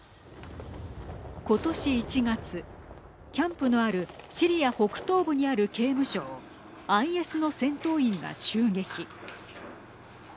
ことし１月、キャンプのあるシリア北東部にある刑務所をＩＳの戦闘員が襲撃。